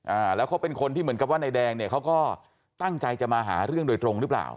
อ่าแล้วเขาเป็นคนที่เหมือนกับว่านายแดงเนี่ยเขาก็ตั้งใจจะมาหาเรื่องโดยตรงหรือเปล่า